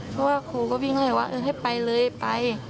เพราะว่าครูก็วิ่งเลยว่าให้ไปเลยไป